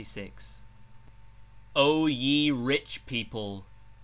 yd,) "O ye rich people